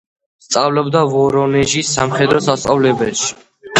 სწავლობდა ვორონეჟის სამხედრო სასწავლებელში.